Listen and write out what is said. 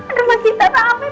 rumah kita tak sampai